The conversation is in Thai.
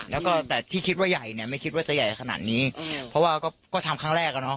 แล้วก็แต่ที่คิดว่าใหญ่เนี่ยไม่คิดว่าจะใหญ่ขนาดนี้เพราะว่าก็ทำครั้งแรกอ่ะเนาะ